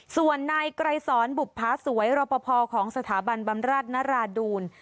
ส่วนนายไกรสอนบุภาสวยรอปภของสถาบันบำราชนราดูล